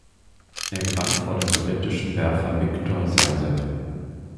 Er gewann vor dem sowjetischen Werfer Wiktor Saizew.